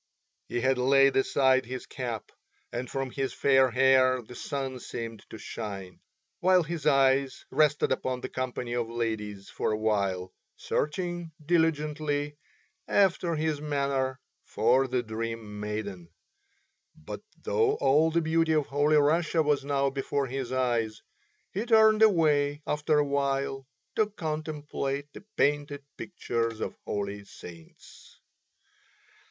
He had laid aside his cap and from his fair hair the sun seemed to shine, while his eyes rested upon the company of ladies for a while, searching diligently, after his manner, for the Dream Maiden; but though all the beauty of Holy Russia was now before his eyes he turned away, after a while, to contemplate the painted pictures of holy saints.